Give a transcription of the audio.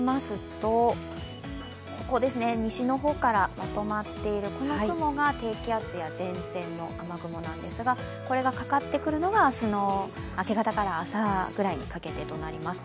ここ、西の方からまとまっているこの雲が低気圧や前線の雨雲なんですがこれがかかってくるのが明日の明け方から朝ぐらいにかけてとなります。